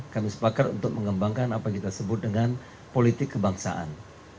kami sepakat untuk mengembangkan apa yang kita sebut dengan politik kebangsaan